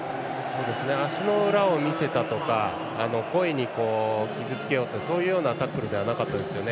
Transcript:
足の裏を見せたとか故意に傷つけようというそういうようなタックルではなかったですよね。